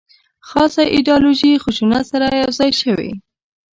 خاصه ایدیالوژي خشونت سره یو ځای شوې.